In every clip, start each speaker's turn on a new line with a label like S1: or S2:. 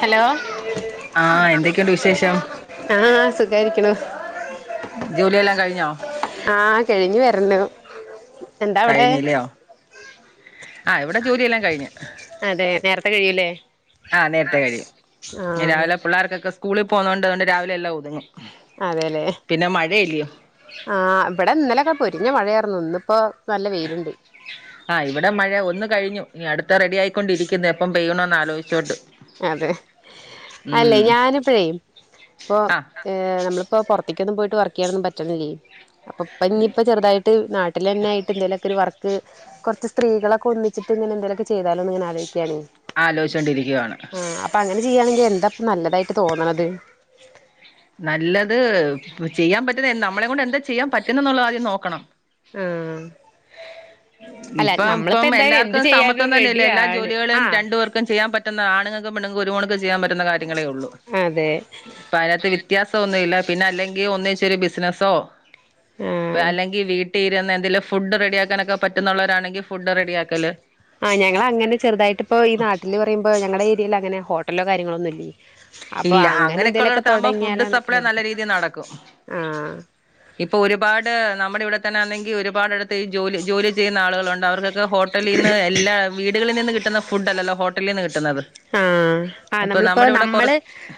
S1: Hello
S2: ആഹ് എന്തൊക്കെയുണ്ട് വിശേഷം
S1: ആഹ് ആഹ് സുഖായിരിക്ക്യണു
S2: ജോലി എല്ലാം കഴിഞ്ഞോ
S1: ആഹ് കഴിഞ്ഞ് വരണ്ണ് എന്താ അവടെ
S2: ആഹ് ഇവടെ ജോലിയെല്ലാം കഴിഞ്ഞ്
S1: അതെ നേരത്തെ കഴിയുംല്ലേ
S2: ആഹ് നേരത്തെ കഴിയും ഇഞ് രാവിലെ പിള്ളേർക്കൊക്കെ സ്കൂളി പോക്ന്നോണ്ട് അതുകൊണ്ട് രാവിലെ എല്ലാം ഒതുങ്ങും
S1: അതെല്ലേ
S2: പിന്നെ മഴയില്ലയോ
S1: ആഹ് ഇബടെ ഇന്നലെ ഒക്കെ പൊരിഞ്ഞ മഴയാര്ന്നു ഇന്ന്പ്പോ നല്ല വെയ്ല്ണ്ട്
S2: ആഹ് ഇവിടെ മഴ ഒന്ന് കഴിഞ്ഞു ഇനി അട്ത്ത റെഡി ആയിക്കൊണ്ടിരിക്കുന്നു എപ്പം പെയ്യണോന്ന് ആലോയിച്ചോണ്ട്
S1: അതെ അല്ലെ ഞാന് ഇപ്പഴേ ഇപ്പൊ ഉം
S2: ആ
S1: ഏഹ് നമ്മള് ഇപ്പാെ പാെറത്ത്ക്കൊന്നും പോയിട്ട് വർക്ക് ചെയ്യാനൊന്നും പറ്റ്ന്നില്ലേ അപ്പൊ ഇപ്പ ഇഞ്ഞ് ഇപ്പ ചെറ്തായി ട്ട് നാട്ടില് എന്നെയായിട്ട് എന്തേലൊക്കെ ഒരു വർക്ക് കൊർച്ച് സ്ത്രീകളൊക്കെ ഒന്നിച്ചിട്ട് ഇങ്ങനെ എന്തേലൊക്കെ ചെയ്താലോന്ന് ഇങ്ങനെ ആലോയിക്കാണേ
S2: ആലോയിച്ചോണ്ട് ഇരിക്കുവാണ്
S1: ആഹ് അപ്പഅങ്ങനെ ചെയ്യാണെങ്കി എന്താപ്പ നല്ലതായിട്ട് തോന്ന്ണത്
S2: നല്ലത് ചെയ്യാൻ പറ്റ്ന്ന നമ്മളെ കൊണ്ട് എന്താ ചെയ്യാൻ പറ്റുന്നത് എന്നുള്ളത് ആദ്യം നോക്കണം
S1: ആഹ് അല്ല
S2: ഇപ്പം
S1: നമ്മളിപ്പോ
S2: ഇപ്പം
S1: എന്തായാലും എന്ത്
S2: എല്ലാർക്കും
S1: ചെയ്യാനും
S2: സമത്വം തന്നെ എല്ലേ എല്ലാ
S1: റെഡിയാണ്
S2: ജോലികളേയും
S1: ആഹ്
S2: രണ്ടു പേർ ക്കും ചെയ്യാംപറ്റുന്നത് ആണ്ങ്ങക്കും പെണ്ണ്ങ്ങക്കും ഒരുപോണ്ക്ക് ചെയ്യാൻ പറ്റുന്ന കാര്യങ്ങളെ ഒള്ളൂ
S1: അതെ
S2: ഇപ്പ അതിനകത്തെ വിത്യാസ് സം ഒന്നും ഇല്ല പിന്നെ അല്ലെങ്കി ഒന്നിച്ചൊരു ബിസ്നസോ
S1: ആഹ്
S2: അല്ലെങ്കി വീ ട്ടീ ഇരുന്ന് എന്തേലും ഫുഡ് റെഡിയാക്കാനൊക്കെ പറ്റും എന്നുള്ളവരാണെങ്കി ഫുഡ് റെഡിയാക്കല്
S1: ആഹ് ഞങ്ങള് അങ്ങനെ ചെറ്തായിട്ട് ഇപ്പോ ഈ നാട്ടില് പറയുമ്പോ ഞങ്ങടെ ഏരിയേല് അങ്ങനെ ഹോട്ടലാെ കാര്യങ്ങളോ ഒന്നുല്യേ
S2: ഇല്ല അങ്ങനെയെക്കെ ഉള്ളടത്ത് ആവുമ്പാെ ഫുഡ്
S1: തൊടങ്ങിയാലോന്നൊക്കെ
S2: സപ്ലൈ നല്ല
S1: വിചാരിക്കും
S2: രീതിയിൽ നടക്കും
S1: ആഹ്
S2: ഇപ്പൊ ഒരുപാട് നമ്മടെ ഇവിടെ തന്നെയാണെങ്കി ഒരുപാട് എടുത്ത്‌ ഈ ജോലി ജോലി ചെയ്യുന്ന ആളുകളുണ്ട് അവർക്ക് [unintelligible] ഹോട്ടലീന്ന് എല്ലാ വീട്കളിൽ നിന്ന് കിട്ടുന്ന ഫുഡ് അല്ലല്ലോ ഹോട്ടലീന്ന് കിട്ടുന്നത്
S1: ആഹ് ആഹ്
S2: അപ്പൊ
S1: നമ്മള് ഇപ്പോ
S2: നമ്മുടെ ഇവിടെ കൊറ
S1: നമ്മള്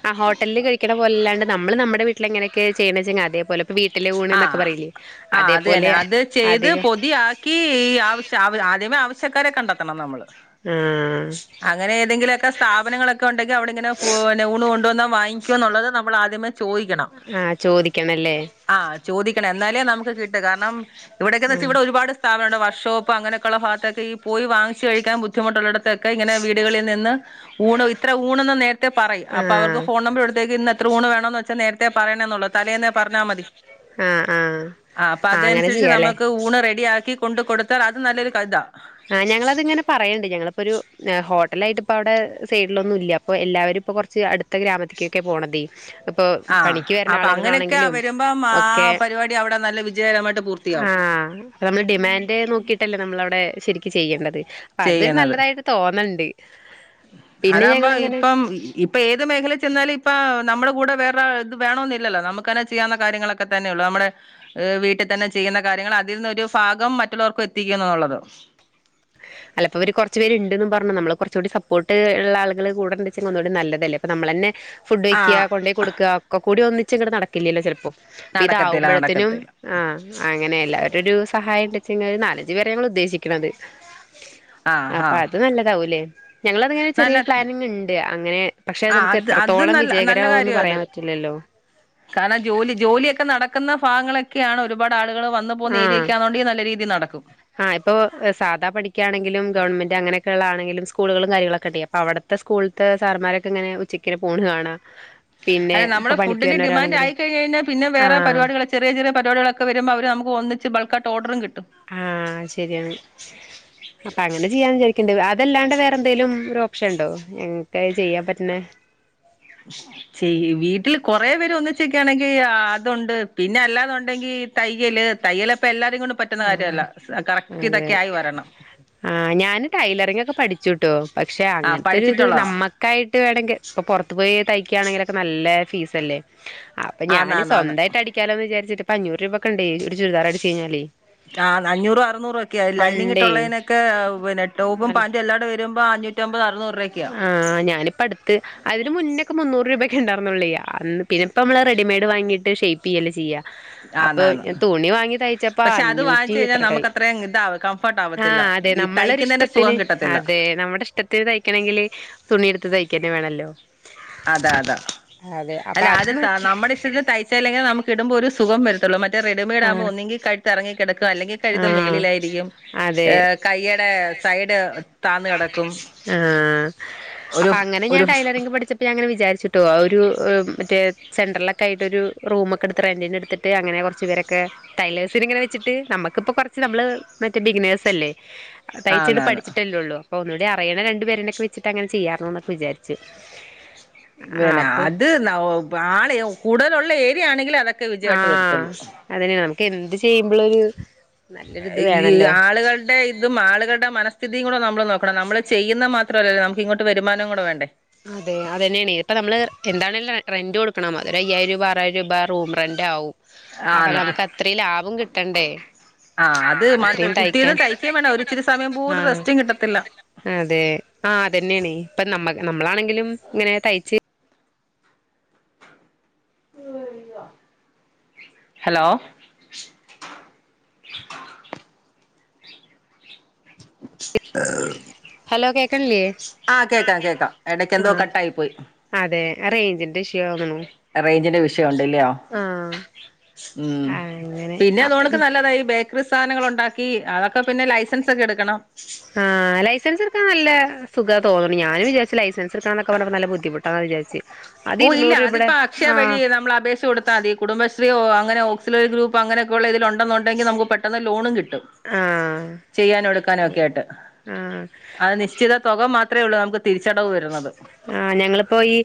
S1: ആഹ് ഹോട്ടൽല് കഴിക്ക്ണ പോലെ എല്ലാണ്ട് നമ്മള് നമ്മടെ വീട്ടില് എങ്ങനെയെക്കെ ചെയ്യ്ണത്ച്ചങ്ങെ അതേപോലെ വീട്ടിലെ ഊണ്
S2: ആ
S1: എന്നൊക്കെ പറയില്ലേ
S2: ആ അത്
S1: അതേപോലെ
S2: തന്നെ അത്
S1: അധികം
S2: പക്ഷേ ആവ് ആദ്യമേ ആവശ്യക്കാരെ കണ്ടെത്തണം നമ്മള്
S1: ആഹ്
S2: അങ്ങനെ ഏതെങ്കിലും ഒക്കെ സ്ഥാപനങ്ങളൊക്കെ ഉണ്ടെങ്കിൽ അവടെ ഇങ്ങനെ ഫൂനെ ഊണ് കൊണ്ടുവന്നാ വാങ്ങിക്ക്യോ എന്നുള്ളത് നമ്മള് ആദ്യമേ
S1: ആഹ് ചോദിക്കണല്ലേ
S2: ആഹ് ചോദിക്കണം എന്നാലേ നമുക്ക് കിട്ടു കാരണം ഇവിടെയെക്കെ എന്ന് വെച്ചാ
S1: ആഹ്
S2: ഇവിടെ ഒരുപാട് സ്ഥാപനം ഉണ്ട് വർഷോപ്പ് അങ്ങനെക്കെ ഇള്ള ഭാഗത്തേക്ക് ഈ പോയി വാങ്ങിച്ച് കഴിക്കാൻ ബു ദ്ധിമുട്ട് ഇള്ളടത്തൊക്കെ ഇങ്ങനെ വീട്കളിൽ നിന്ന് ഊണ് ഇത്ര ഊണെന്ന് നേര്ത്തെ പറയും അപ്പ. അവർക്കും
S1: ആഹ്
S2: ഫോൺ നമ്പറ് ഉള്ളട്ത്തേക്ക് ഇന്ന് എത്ര ഊണ് വേണംന്ന് വെച്ചാ നേരത്തെ പറയണം എന്നുള്ളത് തലേന്നെ പറഞ്ഞാ മതി
S1: ആഹ് ആഹ്
S2: ആഹ് അപ്പഅത്
S1: അങ്ങനെ
S2: അൻസരിച്ച്
S1: ചെയ്യാല്ലേ
S2: നമക്ക് ഊണ് റെഡിയാക്കി കൊണ്ട് കൊടുത്താൽ അത് നല്ലൊരു [unintelligible]
S1: ആഹ് ഞങ്ങള് അത് ഇങ്ങനെ പറയ്ണ്ട് ഞങ്ങള് ഇപ്പൊരു നെ ഹോ ട്ടലായിട്ട് ഇപ്പ അവടെ സൈഡിലൊന്നും ഇല്യ അപ്പൊ എല്ലാവരും ഇപ്പൊ കാെർച്ച് അട്ത്ത ഗ്രാമത്ത്ക്ക് ഒക്കെ പോണതേ ഇപ്പൊ
S2: ആഹ്
S1: പണിക്ക് വെര്ന
S2: അപ്പൊ അങ്ങനെയൊക്കെ
S1: ആള്കളാണെങ്കിലും
S2: വരുമ്പം ആ
S1: ഒക്കെ
S2: പരിപാടി അവിടെ നല്ല വിജയകരമായിട്ട് പൂർത്തിയാവും
S1: ആഹ് നമ്മള് ഡിമാൻഡ് നോക്കിയിട്ടല്ല നമ്മള് അവടെ ശരിക്ക് ചെയ്യേണ്ടത് അപ്പ അത് ഒരു നല്ലതായിട്ട് തോന്ന്ണ്ട്
S2: അതാവുമ്പൊ ഇപ്പം ഇപ്പഏത് മേഖലെ ചെന്നാലും ഇപ്പാ നമ്മളെ കൂടെ വേറെ ഇത് വേണോന്നില്ലല്ലോ നമുക്കെന്നെ ചെയ്യാവുന്ന കാര്യങ്ങളൊ ക്കെത്തന്നെയുള്ളൂ അമ്മളെ ഹ് വീട്ട്ത്തന്നെ ചെയ്യ്ന്ന കാര്യങ്ങള് അതിൽനിന്ന് ഒരു ഭാഗം മറ്റുള്ളവർക്കും എത്തിക്കാ എന്നുള്ളത്
S1: അല്ല ഇപ്പ ഇവര് കാെർച്ച് പേര് ഇണ്ട്ന്നും പറഞ്ഞു നമ്മള് കുറച്ചുംകൂടി സപ്പോർട്ട് ഇള്ള ആള്കള് കൂടെ ഇണ്ട്ച്ചെങ്ങ ഒന്നുകൂടിം നല്ലതെല്ലേ അപ്പ നമ്മളെന്നെ ഫുഡ് വെക്യാ
S2: ആഹ്
S1: കൊണ്ടോയി കൊട്ക്കാ ഒക്കക്കൂടി ഒന്നിച്ച് ഇങ്ങട് നടക്കില്യല്ലോ ചെലപ്പാെ ഇപ്പ
S2: നടക്കത്തില്ല
S1: ഇതാവുമ്പഴത്തിനും
S2: നടക്കത്തില്ല
S1: ആഹ് അങ്ങനെ എല്ലാവരും ഒരു സഹായം ഇണ്ട്ച്ചെങ്ങ ഒരു നാലഞ്ച് പേരെ ഞങ്ങള് ഉദ്ദേശിക്ക്ണത്
S2: ആഹ്
S1: അപ്പ
S2: ആഹ്
S1: അത് നല്ലതാവുംലേ ഞങ്ങള് അത് ഇങ്ങനെ
S2: നല്ല
S1: ചെറിയൊരു പ്ലാനിങ് ഇണ്ട് അങ്ങനെ പക്ഷെ അത്
S2: ആഹ്
S1: നമുക്ക്
S2: അത്
S1: എത്രത്തോളം
S2: നല്ല നല്ല
S1: വിജയകരാവുന്ന്
S2: കാര്യവാ അത്
S1: പറയാൻ പറ്റില്ലല്ലോ
S2: കാരണം ജോലി ജോലിയൊക്കെ നടക്കുന്ന ഭാഗങ്ങളൊക്കെയാണ് ഒരു ഒരു പാട് ആളുകള് വന്ന്
S1: ആഹ്
S2: പോന്നേരിയൊക്കാന്നുണ്ടെൽ നല്ല രീതിയിൽ നടക്കും
S1: ആഹ് ഇപ്പോ സാധാ പണിക്കാണെങ്കിലും ഗവൺമെന്റ് അങ്ങനെക്കെള്ള ആണെങ്കിലും സ്കൂളുകളും കാര്യങ്ങളൊക്കെണ്ടെ അപ്പൊവിടെ ഇവ്ടത്തെ സ്കൂളിത്തെ സാർമാരൊക്കെ ഇങ്ങനെ ഉച്ചക്ക് പോണ് കാണാ
S2: അല്ലെ നമ്മുടെ ഫുഡിന്റെ ഡിമാൻഡ് ആയിക്കഴിഞ്ഞെഴിഞ്ഞാൽ പിന്നെ വേറെ
S1: ആഹ്
S2: പരിപാടികളൊ ചെറിയ ചെറിയ പരിപാടികളൊക്കെ വരുമ്പം അവര് നമുക്ക് ഒന്നിച്ച് ബൾക്കായിട്ട് ഓർഡറും കിട്ടും
S1: ആഹ് ശരിയാണ്
S2: [inaudible]
S1: അപ്പൊ അങ്ങനെ ചെയ്യാൻ വിചാരിക്കണ്ട് അതല്ലാണ്ട് വേറെ എന്തെലും ഒരു ഓപ്ഷൻ ഉണ്ടോ ഞങ്ങക്കത് ചെയ്യാൻ പറ്റണേ
S2: ചെയ്യ് വീട്ടിൽ കൊറെ പേരൊന്നിച്ചിക്കാണെങ്കിൽ അതുണ്ട് പിന്നെ അല്ലാന്നുണ്ടെങ്കി തയ്യല് തയ്യലെപ്പെ എല്ലാരും കൊണ്ടും പറ്റുന്ന കാര്യല്ല കറക്റ്റ്
S1: അതെ
S2: ഇതൊക്കെ ആയി വരണം
S1: ആഹ് ഞാന് ടൈലറിങ്ങോക്കെ പഠിച്ചുട്ടോ പക്ഷെ
S2: ആ
S1: അങ്ങനത്തെ ഒരിത്
S2: പഠിച്ചിട്ടുള്ളതാ
S1: നമ്മക്കായിട്ട് വേണങ്കിൽ ഇപ്പൊ പുറത്ത് പോയി തയ്ക്കാണെങ്കിലൊക്കെ നല്ല ഫീസല്ലേ അപ്പൊ
S2: ആന്ന്
S1: ഞാന്
S2: ആന്ന് ആന്ന്
S1: സ്വന്തായി ട്ടടിക്കാലോന്ന് വിചാരിച്ചിട്ടിപ്പം ഇപ്പഞ്ഞുറു രൂപക്കണ്ടേ ഒരു ചുരിദാറടിച്ച് കഴിഞ്ഞാലേ
S2: ആഹ് അഞ്ഞൂറും അറുന്നൂറൊക്കെയാ ലൈനിങ്
S1: പണ്ടേ
S2: ഇട്ടുള്ളതിനൊക്കെ പിന്നെ ടോപ്പും
S1: നല്ല
S2: പാന്റും എല്ലാടെ വരുമ്പോ അഞ്ഞൂറ്റി ഒമ്പത് അറന്നൂ രൂപയ്ക്കോയാ
S1: ആഹ് ഞാനിപ്പടുത്ത് അതിന് മുന്നേക്കെ മൂന്നൂറു രൂപൊക്കെണ്ടാർന്നുള്ളെ അന്ന് പിന്നെപ്പോ മ്മള് റെഡിമെയ്ഡ് വാങ്ങിട്ട് ഷേയ്പ്പ് പ്പെയ്യല്ലെ ചെയ്യാ അപ്പൊ
S2: ആന്നാന്ന്
S1: തുണി വാങ്ങി തയ്ച്ചപ്പാ
S2: പക്ഷെ അത്
S1: അഞ്ഞൂറ്റി
S2: വാങ്ങിച്ച് കഴിഞ്ഞാൽ
S1: എത്രക്കെയി
S2: നമുക്ക് അത്രയും ഇതാവ കംഫർട്ട് ആവത്തില്ല
S1: ആഹ് അതെ
S2: ഈ
S1: നമ്മളൊരു
S2: തയ്ക്കുന്നതിന്റെ
S1: ഇഷ്ടത്തിന്
S2: സുഖം കിട്ടത്തില്ല
S1: അതെ നമ്മുടെ ഇഷ്ടത്തി ത്തിന് തയ്ക്കണെങ്കില് തുണി എടുത്ത് തയ്ക്കന്നേ വേണല്ലോ
S2: അതാ അതാ
S1: അതെ അപ്പൊ
S2: അല്ല അത് ത
S1: നോക്കി
S2: നമ്മുടെ ഇഷ്ടത്തിന് തയ്ച്ചല്ലെങ്കിൽ നമുക്ക് ഇടുമ്പോൾ ഒരു സുഖം വര ത്തുള്ളു മറ്റേ റെഡിമെയ്ഡാകുമ്പോ
S1: ആഹ്
S2: ഒന്നെങ്കിൽ കഴുത്ത് ഇറങ്ങി കിടക്കാ അല്ലെങ്കിൽ കഴുത്ത്
S1: ആഹ്
S2: മേളിലായിരിക്കും
S1: അതെ
S2: ഏഹ് കയ്യടെ സൈഡ് താന്ന് കെടക്കും
S1: ആഹ്
S2: ഒരു ഒരു
S1: ഇപ്പം ഞാനിങ്ങനെ വിചാരിച്ചിട്ടോ ഒരു മറ്റേ സെന്റർലൊക്കെയിട്ട് ഒരു റൂമൊക്കെ എടുത്ത് റെന്റിനെടുത്തിട്ട് അങ്ങനെ കൊറച്ചു പേരൊക്കെ ടൈലേഴ്സിനിങ്ങനെ വെച്ചിട്ട് നമ്മുക്കിപ്പൊ കൊറച്ച് നമ്മള് മറ്റേ ബിഗിനേഴ്സ് അല്ലേ തയ്ച്ചെയ്ത്
S2: ആന്നാന്ന്
S1: പഠിച്ചിട്ടല്ലേ ഉള്ളൂ അപ്പൊ ഒന്നൂടീ പയ്യനെ രണ്ടു പേരനൊക്കെ വെച്ചിട്ടങ്ങനെ ചെയ്യാർന്നുന്നൊക്കെ വിചാരിച്ചു ആഹ്
S2: പിന്നെ
S1: അപ്പൊ
S2: അത് ആളെയാ കൂടുതലുള്ള ഏരിയ ആണെങ്കിലും അതൊക്കെ വിജയായിട്ട് വരത്തുള്ളൂ
S1: അതെന്നെ നമുക്ക് എന്ത് ചെയ്യുമ്പോളൊരു നല്ലൊരിത്
S2: ഈ
S1: വേണല്ലോ
S2: ആളുകളുടെ ഇ ഇതും ആളുകളുടെ മനസ്ഥിതിയും കൂടെ നമ്മള് നോക്കണം നമ്മൾ ചെയ്യുന്ന മാത്രമല്ലല്ലോ നമുക്കിങ്ങോട്ട് വരുമാനം കൂടെ വേണ്ടേ
S1: അതെ അതെന്നെണേ ഇപ്പ നമ്മള് എന്താണേലും റെന്റ് കൊടുക്കണം അത് ഒരു അയ്യായിരം രൂപ ആറായിരം രൂപ റൂം റെന്റ് ആവും അപ്പൊ
S2: ആന്ന്
S1: നമുക്കത്രയും ലാഭം കിട്ടണ്ടേ
S2: ആഹ് അത്
S1: അത്രയും
S2: കുത്തിരിന്ന്
S1: തയ്ക്കാൻ
S2: തയ്ക്കും വേണം ഒരു ഇച്ചിരി സമയം പോലും
S1: ആഹ്
S2: റെസ്റ്റും കിട്ടത്തില്ല.
S1: അതെ ആഹ് അത്തന്നെയണ ഇപ്പ നമ്മ നമ്മളാണെങ്കിലും ഇങ്ങനെ തയ്ച്ച്.
S2: ഹലോ.
S1: ഹലോ കേക്കണില്ലേ
S2: ആഹ് കേക്കാം കേക്കാം ഇടക്ക് എന്തോ
S1: ആഹ്
S2: കട്ട ആയി പോയി.
S1: അതെ റേഞ്ചിന്റെ ഇഷ്യൂ ആണെന്ന്
S2: റേഞ്ചിന്റെ വിഷയം ഉണ്ട്ല്ലയോ? ഉം
S1: അങ്ങനെ
S2: പിന്നെ അതോടേക്കെ
S1: അപ്പ
S2: നല്ലതായി സാധനങ്ങൾ ഉണ്ടാക്കി അതൊക്കെ പിന്നെ ലൈസൻസ് ഒക്കെ എടുക്കണം.
S1: ആഹ് ലൈസൻസെടുക്കാൻ നല്ല സുഖാ തോന്നണ് ഞാനും വിചാരിച്ച് ലൈസൻ സെടുക്കാന്നക്ക പറഞ്ഞപ്പ നല്ല ബുദ്ധിമുട്ടാണ് വിചാരിച്ച് അത്
S2: ഓഹ് ഇല്ല
S1: ഇരുന്നൂറ്
S2: അതിപ്പ
S1: രൂപയുടെ
S2: അക്ഷയ വഴി
S1: ആഹ്
S2: നമ്മളപേക്ഷ കൊടു ത്താമതി കുടുംബശ്രീയൊ അങ്ങനെ ഓക്സിലേട്രി ഗ്രൂപ്പോ അങ്ങനക്ക ഒള്ള ഇതിലൊണ്ടന്നൊണ്ടെങ്കി നമുക്ക് പെട്ടന്ന് ലോണും കിട്ടും.
S1: ആഹ്
S2: ചെയ്യാനും എടുക്കാനും ഒക്കെ ആയിട്ട്.
S1: ആഹ്
S2: അത് നിശ്ചിത തൊക മാത്രേ ഉള്ളൂ നമുക്ക് തിരിച്ചടവ് വരുന്നത്.
S1: ആഹ് ഞങ്ങളിപ്പൊ ഈ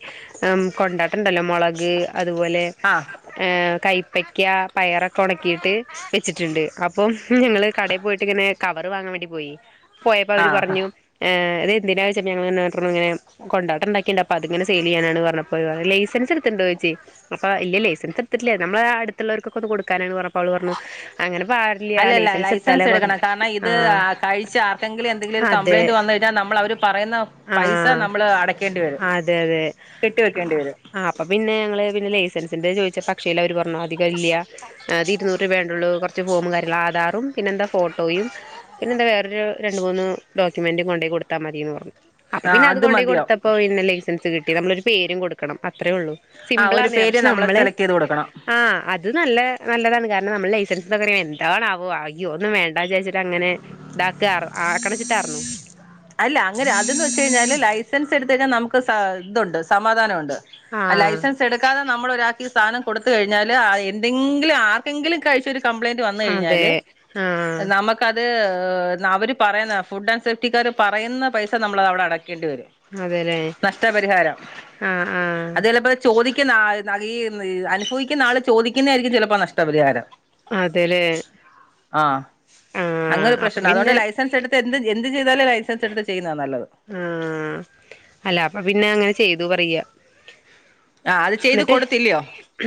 S1: ഉം കൊണ്ടാട്ടിണ്ടല്ലോ മൊളക് അതുപോലെ.
S2: ആഹ്
S1: ഏഹ് കൈപ്പക്ക പയറൊക്കെ ഒണക്കിയിട്ട് വെച്ചിട്ടെണ്ട് അ പ്പം ഞങ്ങള് കടെ പോയിട്ടിങ്ങനെ കവറ് വാങ്ങാൻ വേണ്ടി പോയി പോയപ്പൊ അവര്
S2: ആഹ്
S1: പറഞ്ഞു. എഹ് അത് എന്തിനാ ചോദിച്ചപ്പം ഞങ്ങള് [unintelligible] ഇങ്ങനെ. കൊണ്ടാട്ടം ഇണ്ടാ‌ക്കിണ്ട് അപ്പ അതിങ്ങനെ സെയില് ചെയ്യാനാണ് പറഞ്ഞപ്പോ അവര് പറഞ്ഞ് ലൈസൻസ് എടുത്തിണ്ടോ ചോയ്ച്ച് അപ്പൊ ഇല്ല ലൈസൻസ് എടുത്തിട്ടില്ല്യ നമ്മള് ആ അടുത്തുള്ളവർക്കൊക്കൊന്ന് കൊടുക്കാനാണന്ന് പറഞ്ഞപ്പ അവള് പറഞ്ഞു അങ്ങനെ പാ
S2: അല്ലല്ല ലൈസൻസ് എടുക്കണം കാരണം ഇത്
S1: ആഹ്
S2: ആ കഴിച്ച് ആർക്കെങ്കിലും എന്തെങ്കിലും ഒരു
S1: അതെ
S2: കംപ്ലയിന്റ് വന്ന് കഴി ഞ്ഞാ നമ്മളവര് പറയുന്ന പൈസ
S1: ആഹ്
S2: നമ്മള് അടക്കേണ്ടി വരും
S1: അതെ അതെ
S2: കെട്ടി വെക്കേണ്ടി വരും.
S1: ആഹ് അപ്പ പിന്നെ ഞങ്ങള് പിന്നെ ലൈസൻസിന്റെ ചോദിച്ചപ്പ അക്ഷയില അവര് പറഞ്ഞ് അധികം ഇല്ല്യാ അതിരുന്നൂറ് രൂപയാണ്ടുള്ളൂ കൊറച്ച് ഫോമും കാര്യങ്ങളും ആധാറും പിന്നെ എന്താ ഫോട്ടോയും. പിന്നെന്താ വേറൊരു രണ്ട് മൂന്ന് ഡോക്യുമെന്റും കൊണ്ടോയി കൊടുത്താ മതീന്ന് പറഞ്ഞു. അപ്പ
S2: ആ
S1: പിന്നെ അത് കൊണ്ടൊയി
S2: മതിയാവും
S1: കൊടുത്തപ്പോ പിന്നെ ലൈസൻസ് കിട്ടി നമ്മളൊരു പേരും കൊടുക്കണം. അ ത്രേയൊള്ളു
S2: ആ ഒരു
S1: സിമ്പിളാർന്നെ
S2: പേര്
S1: പക്ഷെ
S2: നമ്മള്
S1: നമ്മളെ
S2: സെലക്ട് ചെയ്ത് കൊടുക്കണം
S1: ആഹ് അ ത് നല്ല നല്ലതാണ് കാരണം നമ്മള് ലൈസൻസ് [unintelligible] എന്താണാവോ അയ്യോ ഒന്നും വേണ്ടാ വിചാരിച്ചിട്ട് അങ്ങനെ. ഇതാക്കാ അർ ആക്ക‌ണ് വെച്ചിട്ടർഞ്ഞു.
S2: അല്ല അങ്ങനെ അതന്ന് വെച്ച് കഴിഞ്ഞാല് ലൈസൻസ് എടുത്ത് കഴിഞ്ഞാ നമുക് സ ഇതൊണ്ട് സമാധാനം ഒണ്ട്
S1: ആഹ്
S2: ലൈസൻസ് എടുക്കാതെ നമ്മളൊരാക്കി സാധനം കൊടുത്ത് കഴിഞ്ഞാല് അത് എന്തെങ്കിലും ആർക്കെങ്കിലും കഴിച്ചൊരു. കംപ്ലയിന്റ് വന്ന്
S1: അതെ
S2: കഴിഞ്ഞാല്
S1: ആഹ്
S2: നമ ക്കത് അവര് പറയുന്ന ഫുഡ് ആൻഡ് സേഫ്റ്റിക്കാര് പറയുന്ന പൈസ നമ്മളത് അവിടെ അടക്കേണ്ടി വരും.
S1: അതെല്ലേ
S2: നഷ്ടപരിഹാരം
S1: ആഹ് ആഹ്
S2: അത് ചെലപ്പൊ ചോദിക്കുന്ന ആ ഈ അനുഭവിക്കുന്ന ആള് ചോദിക്കുന്നയാരിക്കും ചിലപ്പോ നഷ്ടപരിഹാരം.
S1: അതെല്ലേ.
S2: ആഹ്
S1: ആഹ്
S2: അങ്ങനൊരു
S1: അപ്പൊ
S2: പ്രശ്നൊണ്ട് അതുകൊണ്ട്
S1: പിന്നെ
S2: ലൈസൻസ് എടുത്ത് എന്ത് എന്ത് ചെയ്താലും ലൈസൻസ് എടുത്ത് ചെയ്യുന്നതാ നല്ലത്.
S1: ആഹ് അല്ല അപ്പ പിന്നെ അങ്ങനെ ചെയ്തു പറയാ.
S2: ആഹ് അത് ചെയ്ത് കൊടുത്തില്ലയോ.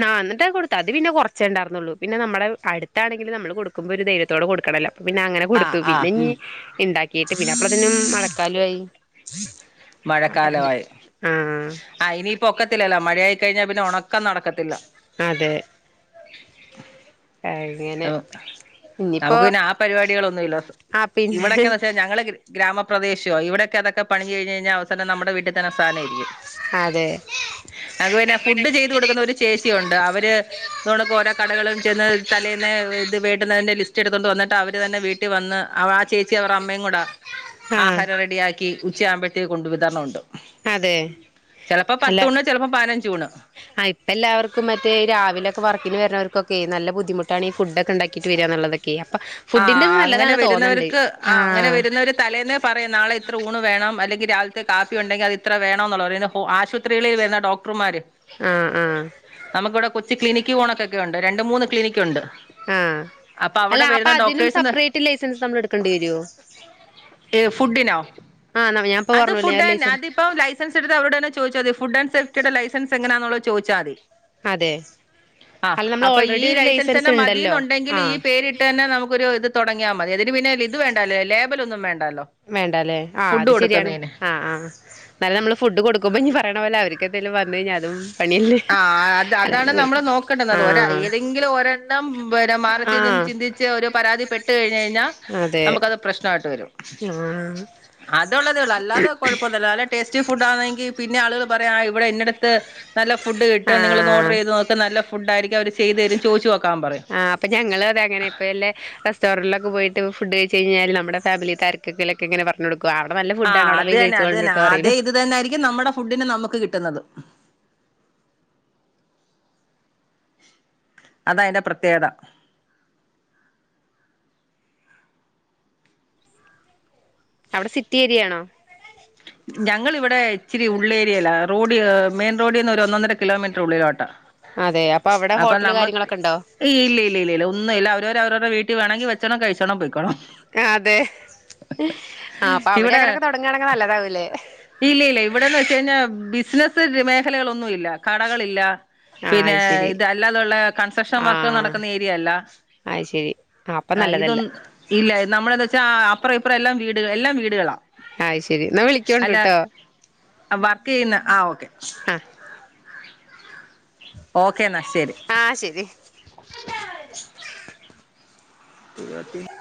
S1: നാ എന്നിട്ടത് കൊടുത്തു അത് പിന്നെ കൊറച്ചേ എണ്ടാരുന്നൊള്ളൂ പിന്നെ നമ്മടെ അടുത്താണെങ്കില് നമ്മള് കൊടുക്കുമ്പ ഒരു ധൈര്യത്തോടെ കൊടുക്കണം എല്ലാം പിന്നെ അങ്ങനെ
S2: ആഹ്
S1: കൊടുത്തു പിന്നെ
S2: ആഹ്
S1: ഇനീ ഇണ്ടാക്കീട്ട് പിന്നെ അപ്പളത്തിനും മഴക്കാലായി.
S2: മഴക്കാലവായി. ആഹ് ഇനിയപ്പ ഒക്കത്തില്ലല്ലൊ മഴയായിക്കഴിഞ്ഞാ പിന്നെ ഒണക്കം നടക്കത്തില്ല.
S1: അതെ അങ്ങനെ. ഇനിയിപ്പോ
S2: നമുക്ക് പിന്നെ ആ പരിപാടികളൊന്നുവില്ല
S1: ആഹ്
S2: [unintelligible]
S1: പിന്നെ
S2: ഇവിടക്കന്ന് വെച്ചാ ഞങ്ങള് ഗ്രാമപ്രദേശവാ ഇവിടെക്കെ അതൊക്കെ പണിഞ്ഞു കഴിഞ്ഞു കഴിഞ്ഞാ അവസാനം നമ്മടെ വീട്ടി തന്നെ ആ സാധനം ഇരിക്കും.
S1: അതെ
S2: ങ്ങക്ക് പിന്നെ ഫുഡ് ചെയ്ത് കൊടുക്കുന്ന ഒരു ചേച്ചിയൊണ്ട് അവര് ഇത്പോണക്ക് ഓരോ കടകളും ചെന്ന് തലേന്നേ ഇത് വേണ്ടുന്നതിന്റെ ലിസ്റ്റ് എടുത്തോണ്ട് വന്നിട്ട് അവര് തന്നെ വീട്ടി വന്ന് അവ ആ ചേച്ചി അവർടെ അമ്മേംകുടാ
S1: ആഹ്
S2: ആഹാരം റെഡിയാക്കി ഉച്ചയാകുമ്പോ ത്തേക്ക് കൊണ്ട് വിതരണം ഉണ്ട്
S1: അതെ
S2: ചെലപ്പോ
S1: അല്ല
S2: പത്തൂണ് ചെലപ്പോ പതിനഞ്ച് ഊണ്.
S1: ആ ഇപ്പം എല്ലാവർക്കും മറ്റേ രാവിലൊക്കെ വർക്കിന് വരുനോർക്കൊക്കെ നല്ല ബുദ്ധിമുട്ടാണ് ഈ ഫുഡ്ഡക്കെ ഇണ്ടാക്കിട്ട് വരാന്നുള്ള ക്കെ അപ്പം
S2: ആഹ് ആഹ് അങ്ങനെ വരുന്നവർക്ക് ആഹ് അങ്ങനെ വരുന്നവര് തലേന്നേ പറയും നാളെ ഇത്ര ഊണ് വേണം അല്ലെങ്കിൽ രാവിലത്തെ കാപ്പി ഉണ്ടെങ്കിൽ അത് ഇത്ര വേണന്നുള്ളത് [unintelligible] ആശു [unintelligible] ഡോക്ടർമാര്
S1: ആഹ് ആഹ്
S2: നമുക്ക് ഇവിടെ കൊച്ചി ക്ലിനിക്ക് ഊണൊക്കൊക്കെ ഉണ്ട് രണ്ട്, മൂന്ന് ക്ലിനിക്ക് ഉണ്ട്.
S1: ആഹ്
S2: അപ്പ അവടെ
S1: അല്ല അപ്പൊ
S2: വര്ണെ
S1: അതിനും സെപ്പറേറ്റ് ലൈസൻസ് നമ്മൾ എടുക്കേണ്ടി വരുവോ?
S2: ഏ ഫുഡിനോ?
S1: ആഹ് ഞാൻ ഇപ്പ
S2: അത്
S1: പറഞ്ഞില്ലേ
S2: ഫുഡ്
S1: ആ
S2: തന്നെ
S1: ലൈസൻസ്
S2: അതിപ്പോ ലൈ സൻസ് എടുത്ത അവരോട് തന്നെ ചോദിച്ചാ മതി ഫുഡ് ആൻ്റ് സേഫ്റ്റിയുടെ ലൈസൻ എങ്ങനാന്നുള്ള ചോദിച്ചാതി.
S1: അതെ
S2: അ
S1: അല്ല നമ്മൾ
S2: അപ്പൊ ഈ
S1: ഓൾറെഡി ഒരു
S2: ലൈസൻസ് തന്നെ
S1: ഉണ്ടല്ലോ
S2: മതിന്നുണ്ടെങ്കിൽ ഈ
S1: ആഹ്
S2: പേരി ട്ട് തന്നെ നമുക്കൊരു ഇത് തൊടങ്ങിയാൽ മതി ഇതിന് പിന്നെ ഇത് വേണ്ടല്ലോ ലേബൽ ഒന്നും വേണ്ടല്ലോ.
S1: വേണ്ടല്ലേ ആഹ്
S2: ഫുഡ്
S1: അത് ശെരിയാണ്
S2: കൊടുക്കുന്നതിന്
S1: ആഹ് ആഹ് എന്നാലും നമ്മള് ഫുഡ് കൊടുമ്പോ ഇനി പറയണ പോലെ അവര്ക്കെന്തെങ്കിലും വന്ന് കഴിഞ്ഞാ അതും പണിയല്ലേ
S2: ആഹ് അത്
S1: അല്ല
S2: അതാണ് നമ്മള് നോക്കണ്ടന്നത് ഒരയ്
S1: ആഹ്
S2: ഏതെങ്കിലും ഒരെണ്ണം പിന്നെ മാറിത്തിരിഞ്ഞു ഒന്ന്
S1: ആഹ്
S2: ചിന്തി ച്ച് ഒരു പരാതി പെട്ട് കഴിഞ്ഞ് കഴിഞ്ഞാൽ
S1: അതെ
S2: നമുക്കത് പ്രശ്നമായിട്ട് വരും.
S1: ആഹ്
S2: അതൊള്ളതേ ഉള്ളൂ അല്ലാതെ കൊഴപ്പ ന്നുല്ല നല്ല ടേസ്റ്റി ഫുഡ് ആണെങ്കിൽ പിന്നെ ആളുകൾ പറയും ആഹ് ഇവിടെ ഇന്നിടത്ത് [unintelligible] ഫുഡ് കിട്ടും നിങ്ങള് ഒന്ന് ഓർഡർ
S1: ആഹ്
S2: ചെയ്ത് നോക്ക് നല്ല ഫുഡായിരിക്കും അവര് ചെയ്ത് തരും ചോദിച്ച് നോക്കാൻ പറയും.
S1: ഇപ്പ ഞങ്ങളും അതെ അങ്ങനെപ്പോലെ റെസ്റ്റോറിലൊക്കെ പോയിട്ട് ഫുഡ് കഴിച്ച് കഴിഞ്ഞാ നമ്മുടെ ഫാമിലി ക്കാർക്കെങ്കിലുക്കെ ഇങ്ങനെ പർഞ്ഞ് കൊടു [unintelligible] അവടെ നല്ലം
S2: ആ അത് തന്നെ അത് തന്നെ ആതെ ഇത് തന്നൊയിയിരിക്കും നമ്മുടെ ഫുഡിന് നമുക്ക് കിട്ടുന്നത്. അതാ അയിന്റെ പ്രത്യേകത.
S1: അവിടെ സിറ്റി ഏരിയയാണോ?
S2: ഞങ്ങള് ഇവിടെ ഇച്ചിരി ഉള്ളേരിയല റോഡ് മെയിൻ റോഡിൽ നിന്ന് ഒരു ഒന്നൊന്നര കിലോമീറ്റർ ഉള്ളിലോട്ടാ.
S1: അതെ അപ്പൊ അവിടെ ഹോട്ടല് കാര്യങ്ങളൊക്കെ ഇണ്ടോ?
S2: ഈ ഇല്ലില്ലില്ലില്ലോ ഒന്നുംല്ല അവരവരെ [unintelligible] വീട്ടി വേണങ്കിൽ ഭക്ഷണം കഴിച്ചോണം പൊയിക്കോണം.
S1: ആഹ് അതെ ആഹ് അപ്പൊ അവിടെ
S2: ഇവിടെ
S1: അങ്ങനെയൊക്കെ തൊടങ്ങുവാണെങ്കിൽ നല്ലതാവൂലേ?
S2: ഇല്ല ഇല്ല ഇവിടെന്ന് വെച്ച് കഴിഞ്ഞാൽ ബിസിനസ് മേഖലകളൊന്നും ഇല്ല കടകളില്ല.
S1: ആഹ്
S2: പിന്നെ
S1: അത് ശരി
S2: ഇത് അല്ലാതുള്ള കൺസ്ട്രക്ഷൻ വർക്ക് നടക്കുന്ന ഏരിയ അല്ല.
S1: അഹ്ശെരി ആഹ് അപ്പൊ നല്ലതല്ല.
S2: ഇതൊന്നും ഇല്ല നമ്മള എന്താ വെച്ചാ അപ്പറ ഇപ്പറ എല്ലാം വീട് എല്ലാം വീടുകളാ.
S1: അഹ്ശെരി ഇന്നാ വിളിക്കോണ്ട് ട്ടോ.
S2: ആഹ് വർക്ക് ചെയ്യുന്ന ആഹ് ഓക്കെ.
S1: അഹ്
S2: ഓക്കേ ഇന്നാ ശെരി
S1: ആഹ് ശെരി
S2: [unintelligible]